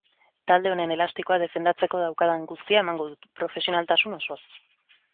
Talde honen elastikoa defendatzeko daukadan guztia emango dut, profesionaltasun osoz.